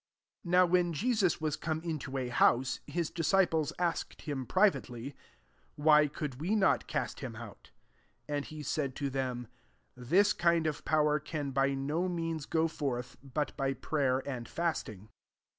28 Now when Jesua was come into a house, his disci ples asked him privately, " Why could not we cast him out ?" 29 And he said to them, " This kind qffiotDcr can by no means go forth, but by prayer and fast ing."